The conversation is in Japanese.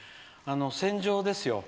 戦場ですよ。